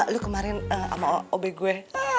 lu kemarin sama obe gue